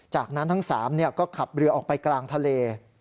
จากนั้นทั้ง๓ก็ขับเรือออกไปกลางทะเล